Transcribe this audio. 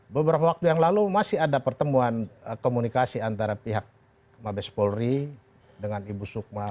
beberapa waktu yang lalu masih ada pertemuan komunikasi antara pihak mabes polri dengan ibu sukma